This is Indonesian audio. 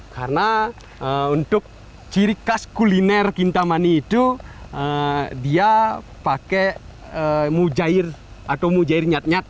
karena untuk ciri khas kuliner kintamani itu dia pakai mujair atau mujair nyat nyat